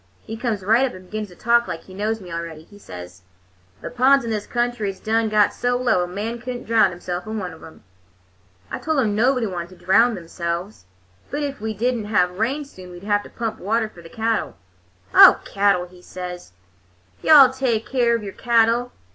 He comes right up and begins to talk like he knows me already. He says: 'The ponds in this country is done got so low a man could n't drownd himself in one of 'em.' "I told him nobody wanted to drownd themselves, but if we did n't have rain soon we'd have to pump water for the cattle. "'Oh, cattle,' he says, 'you'll all take care of your cattle!